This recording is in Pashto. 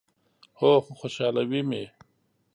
هو، خو خوشحالوي می